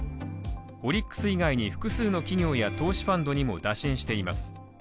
オリックス以外に複数の企業や投資ファンドにも打診しています。